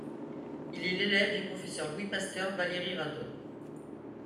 Il est l'élève du professeur Louis Pasteur Vallery-Radot.